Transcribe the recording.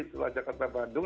setelah jakarta bandung